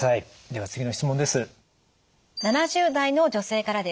では次の質問です。